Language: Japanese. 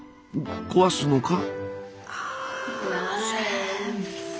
壊すのか？